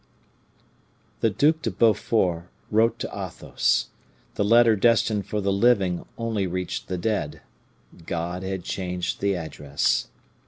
The Duc de Beaufort wrote to Athos. The letter destined for the living only reached the dead. God had changed the address.